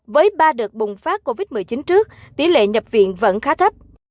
với ba đợt bùng phát covid một mươi chín trước tỷ lệ nhập viện vẫn khá thấp